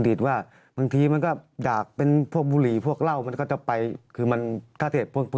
ว่าบางทีมันก็อยากเป็นพวกบุหรี่พวกเหล้ามันก็จะไปคือมันถ้าเท็จพวก